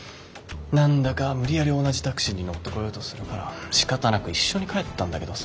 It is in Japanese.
何だか無理やり同じタクシーに乗ってこようとするからしかたなく一緒に帰ったんだけどさ。